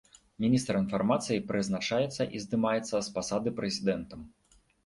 Міністр інфармацыі прызначаецца і здымаецца з пасады прэзідэнтам.